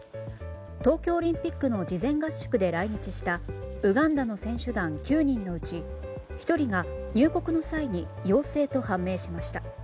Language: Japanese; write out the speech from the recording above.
東京オリンピックの事前合宿で来日したウガンダの選手団９人のうち１人が入国の際に陽性と判明しました。